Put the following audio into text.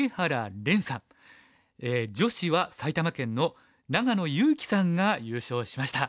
女子は埼玉県の長野優希さんが優勝しました。